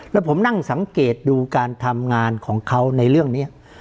แล้วผมนั่งสังเกตดูการทำงานของเขาในเรื่องนี้